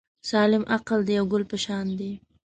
سالم عقل د یو ګل په شان دی.